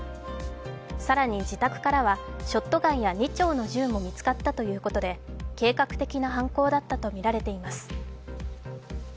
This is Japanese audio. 更に、自宅からはショットガンや２丁の銃も見つかったということで計画的な犯行だったとみられています。